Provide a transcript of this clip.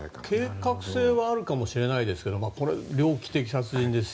計画性はあるかもしれないですけどこれ、猟奇的殺人です。